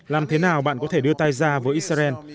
làm thế nào bạn có thể đưa tay ra với israel